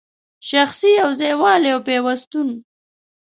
شخصي یو ځای والی او پیوستون